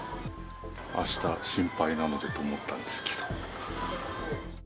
あした、心配なのでと思ったんですけど。